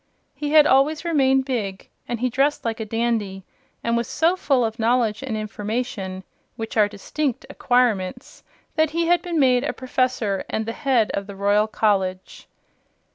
He had always remained big, and he dressed like a dandy and was so full of knowledge and information (which are distinct acquirements) that he had been made a Professor and the head of the Royal College.